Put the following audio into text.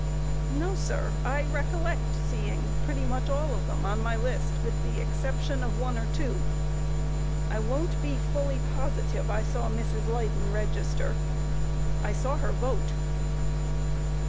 A. No, sir; I recollect seeing pretty much all of them on my list with the exception of one or two; I won't be fully positive I saw Mrs. Leyden register; I saw her vote.